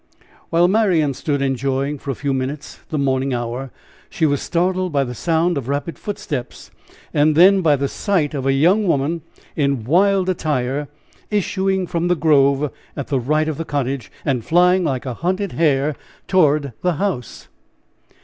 While Marian stood enjoying for a few moments the morning hour, she was startled by the sound of rapid footsteps, and then by the sight of a young woman in wild attire, issuing from the grove at the right of the cottage, and flying like a hunted hare toward the house.